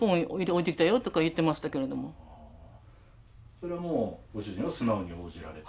それはもうご主人は素直に応じられて？